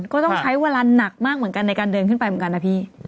ก็ต้องใช้เวลาหนักมากเหมือนกันในการเดินขึ้นไปเหมือนกันนะพี่